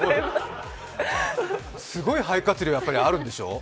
すごい肺活量がやっぱりあるんでしょう？